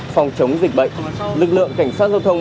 sau dịch bệnh lực lượng cảnh sát giao thông